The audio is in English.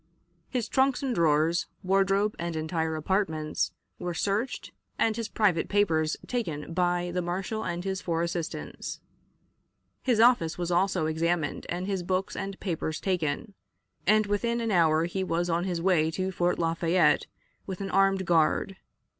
His trunks and drawers, wardrobe, and entire apartments were searched, and his private papers taken by the marshal and his four assistants. His office was also examined, and his books and papers taken, and within an hour he was on his way to Fort Lafayette with an armed guard.